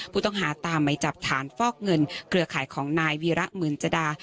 ผู้ต้องหาตามไหมจับฐานฟอกเงินเครือข่ายของนายวีระหมื่นจดา